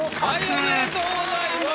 おめでとうございます。